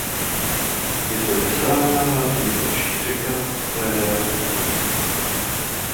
Je to desátá nejdelší řeka Spojeného království.